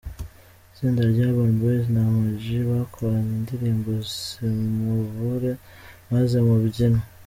itsinda rya Urban Boyz na Ama-G bakoranye indirimbo Simubure maze mu mbyino.